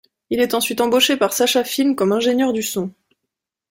Il est ensuite embauché par Sascha-Film comme ingénieur du son.